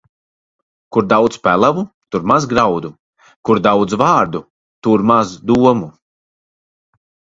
Kur daudz pelavu, tur maz graudu; kur daudz vārdu, tur maz domu.